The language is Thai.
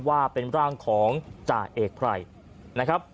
ว่าเป็นร่างของจ่าเอกไพรนะครับ